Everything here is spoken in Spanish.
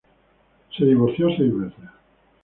Se divorció seis veces.